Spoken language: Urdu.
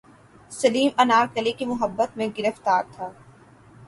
سلیم انارکلی کی محبت میں گرفتار تھا